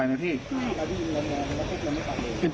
มันต้องประดูกซะเนี่ย